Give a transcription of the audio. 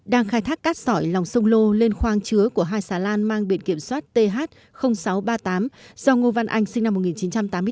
đang khai thác cát sỏi lòng sông lô lên khoang chứa của hai xà lan mang biển kiểm soát th sáu trăm ba mươi tám do ngô văn anh sinh năm một nghìn chín trăm tám mươi tám